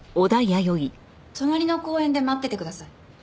隣の公園で待っててください。